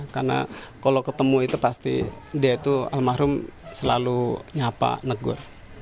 karena kalau ketemu itu pasti dia itu almarhum selalu nyapa negur